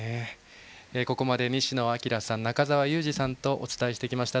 ここまで西野朗さん中澤佑二さんとお伝えしてきました。